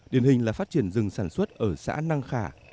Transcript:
điển hình là phát triển rừng sản xuất ở xã năng khả